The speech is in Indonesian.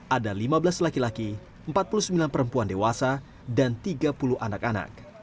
ada lima belas laki laki empat puluh sembilan perempuan dewasa dan tiga puluh anak anak